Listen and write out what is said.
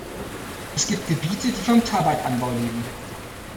Es gibt Gebiete, die vom Tabakanbau leben.